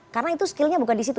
karena itu skillnya bukan di situ